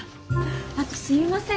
あとすみません